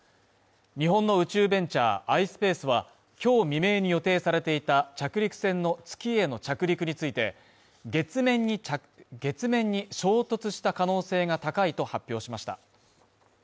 日本の宇宙ベンチャーｉｓｐａｃｅは、今日未明に予定されていた着陸船の月への着陸について、月面に衝突した可能性が高いと発表しました。